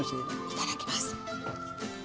いただきます。